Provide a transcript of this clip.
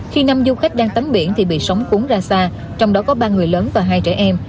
khi năm du khách đang tắm biển thì bị sóng cuốn ra xa trong đó có ba người lớn và hai trẻ em